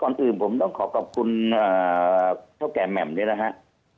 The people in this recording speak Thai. ก่อนอื่นผมต้องขอขอบคุณเท่าแก่แหม่มนี้นะฮะ